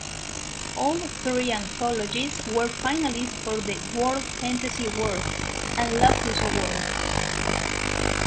All three anthologies were finalists for the World Fantasy Award and Locus Awards.